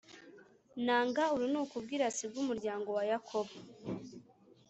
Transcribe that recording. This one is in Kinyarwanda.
Nanga urunuka ubwirasi bw’umuryango wa Yakobo,